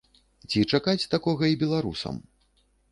Ці чакаць такога і беларусам?